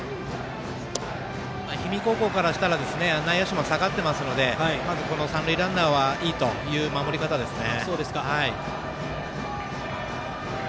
氷見高校からしたら内野手も下がっていますのでまずこの三塁ランナーはいいという守り方ですね。